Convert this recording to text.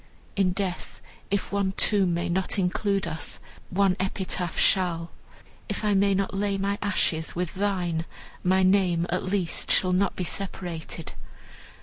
In death, if one tomb may not include us, one epitaph shall; if I may not lay my ashes with thine, my name, at least, shall not be separated."